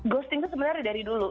ghosting itu sebenarnya dari dulu